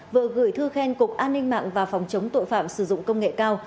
vừa gửi thư khen cục an ninh mạng và phòng chống tội phạm sử dụng công nghệ cao